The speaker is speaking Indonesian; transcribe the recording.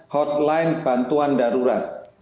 hotline bantuan darurat